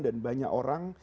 dan banyak orang